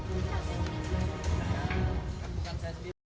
tidak ada tabung pangkasan bahan arc